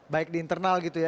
baik di internal gitu ya